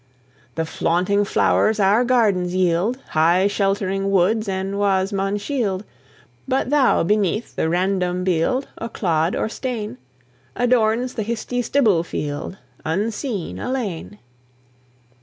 The flaunting flowers our gardens yield, High sheltering woods and wa's maun shield, But thou, beneath the random bield O' clod or stane, Adorns the histie stibble field, Unseen, alane.